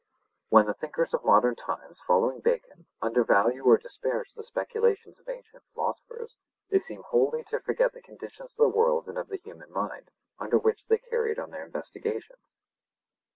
When the thinkers of modern times, following Bacon, undervalue or disparage the speculations of ancient philosophers, they seem wholly to forget the conditions of the world and of the human mind, under which they carried on their investigations.